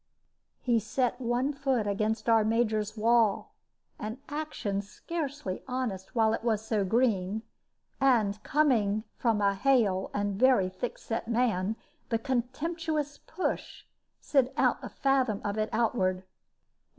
He set one foot against our Major's wall an action scarcely honest while it was so green and, coming from a hale and very thickset man, the contemptuous push sent a fathom of it outward.